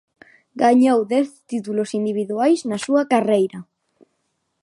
Gañou dez títulos individuais na súa carreira.